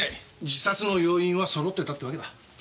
自殺の要因はそろってたってわけだ。